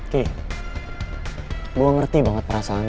kek gue ngerti banget perasaannya